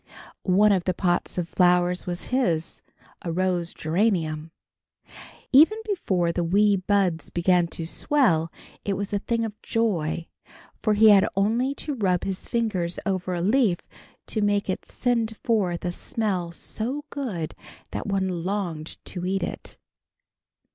One of the pots of flowers was his, a rose geranium. Even before the wee buds began to swell, it was a thing of joy, for he had only to rub his fingers over a leaf to make it send forth a smell so good that one longed to eat it.